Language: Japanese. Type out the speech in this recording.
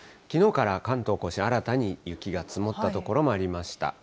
きのうから関東甲信、新たに雪が積もった所もありました。